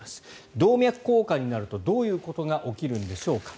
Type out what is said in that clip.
動脈硬化になるとどういうことが起きるんでしょうか。